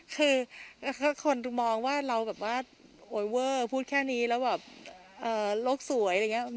คือคนมองว่าเราแบบว่าโอ๊ยเวอร์พูดแค่นี้แล้วแบบโลกสวยอะไรอย่างนี้